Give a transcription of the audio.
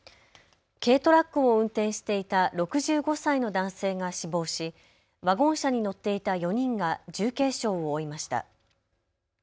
軽トラックを運転していた６５歳の男性が死亡しワゴン車に乗っていた４人が重軽傷を負いました。